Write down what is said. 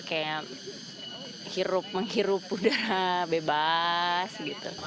kayak hirup menghirup udara bebas gitu